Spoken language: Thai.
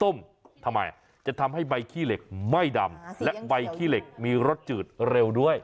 ทำไมจะทำให้ใบขี้เหล็กไม่ดำและใบขี้เหล็กมีรสจืดเร็วด้วย